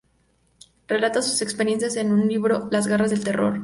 Relata sus experiencias en su libro "Las garras del terror".